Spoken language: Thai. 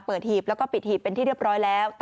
เปิดหีดและปลิดหีดเป็นที่เรียบร้อยแล้ว